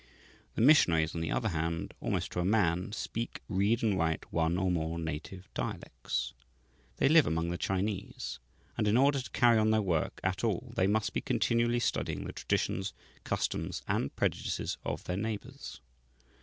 The missionaries, on the other hand, almost to a man, speak, read, and write one or more native dialects. They live among the Chinese, and, in order to carry on their work at all, they must be continually studying the traditions, customs, and prejudices of their neighbours.